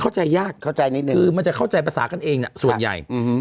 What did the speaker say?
เข้าใจยากเข้าใจนิดนึงคือมันจะเข้าใจภาษากันเองส่วนใหญ่